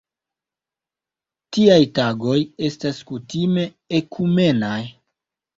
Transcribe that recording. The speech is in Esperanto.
Tiaj tagoj estas kutime ekumenaj.